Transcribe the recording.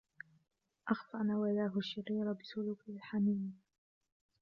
أخفى نواياه الشريرة بسلوكه الحميمي.